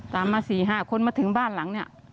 ตามมา๔๕คนมาถึงบ้านหลัง